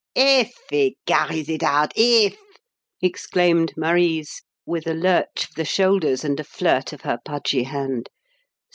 "'If' he carries it out 'if'!" exclaimed Marise, with a lurch of the shoulders and a flirt of her pudgy hand.